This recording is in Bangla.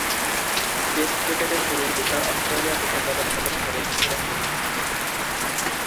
টেস্ট ক্রিকেটের শুরুর দিককার অস্ট্রেলিয়া ক্রিকেট দলের অন্যতম সদস্য ছিলেন তিনি।